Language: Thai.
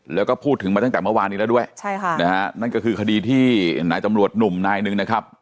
แล้วก็พูดถึงมาตั้งแต่เมื่อวานนี้แล้วด้วยใช่ค่ะนะฮะนั่นก็คือคดีที่นายตำรวจหนุ่มนายหนึ่งนะครับ